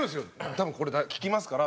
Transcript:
「多分これ効きますから」